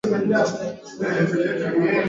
rekodi yetu Ndani ya hali ya sasa ya kisiasa